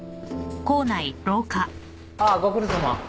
ああご苦労さま。